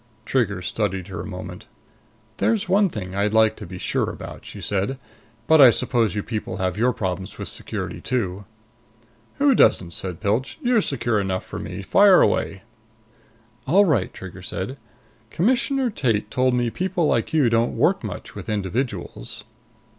Trigger studied her a moment. "There's one thing I'd like to be sure about," she said. "But I suppose you people have your problems with Security too." "Who doesn't?" said Pilch. "You're secure enough for me. Fire away." "All right," Trigger said. "Commissioner Tate told me people like you don't work much with individuals."